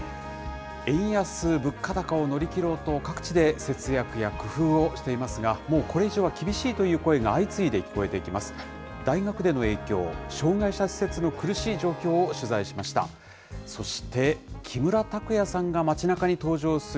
円安、物価高を乗りきろうと各地で節約や工夫をしていますが、もうこれ以上は厳しいという声が相次いで聞こえてきます。